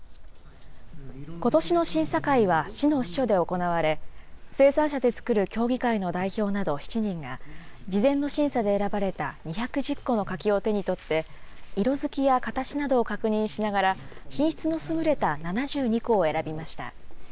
ことしの審査会は市の支所で行われ、生産者で作る協議会の代表など７人が、事前の審査で選ばれた２１０個の柿を手に取って、色づきや形などを確認しながら、品質の優れた７２個を選びました。